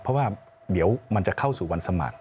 เพราะว่ามันจะเข้าสู่วันสมัคร